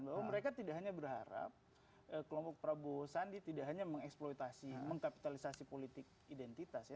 bahwa mereka tidak hanya berharap kelompok prabowo sandi tidak hanya mengeksploitasi mengkapitalisasi politik identitas ya